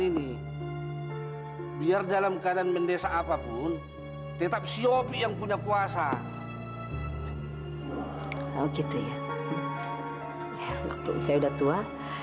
ini biar dalam keadaan mendesa apapun tetap siopi yang punya kuasa oh gitu ya waktu saya udah tua